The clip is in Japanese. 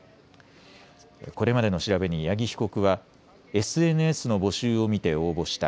これまでの調べに八木被告はＳＮＳの募集を身て応募した。